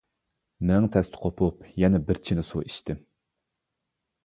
مىڭ تەستە قوپۇپ يەنە بىر چىنە سۇ ئىچتىم.